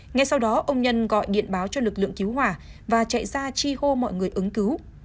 ngay sau đó ông nhân gọi điện báo cho lực lượng cứu hỏa và chạy ra chi hô mọi người ứng cứu